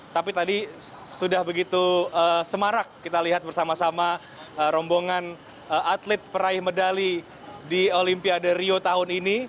tapi tadi sudah begitu semarak kita lihat bersama sama rombongan atlet peraih medali di olimpiade rio tahun ini